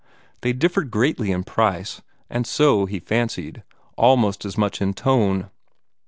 They differed greatly in price, and, so he fancied, almost as much in tone.